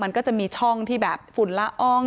มันก็จะมีช่องที่แบบฝุ่นละอ้อง